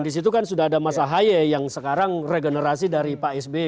di situ kan sudah ada mas ahaye yang sekarang regenerasi dari pak sby